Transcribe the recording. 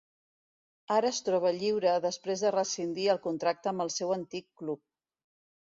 Ara es troba lliure després de rescindir el contracte amb el seu antic club.